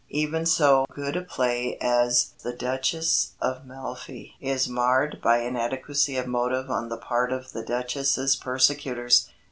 Even so good a play as The Duchess of Malfi is marred by inadequacy of motive on the part of the duchess's persecutors.